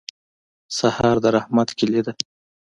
سهار د رحمت کلي ده.